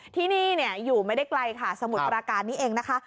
ที่นี่อยู่ไม่ได้ไกลค่ะสมุทรปราการนี้เองนะคะ